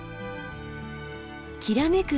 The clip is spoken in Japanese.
きらめく